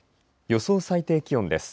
予想最低気温です。